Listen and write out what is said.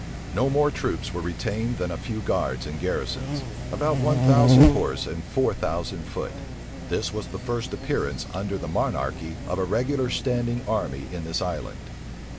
No more troops were retained than a few guards and garrisons, about one thousand horse and four thousand foot. This was the first appearance, under the monarchy, of a regular standing army in this island.